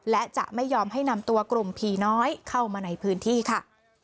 และจะไม่ยอมให้นำตัวกลุ่มผีน้อยเข้ามาในพื้นที่ค่ะ